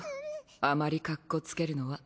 あまりかっこつけるのは。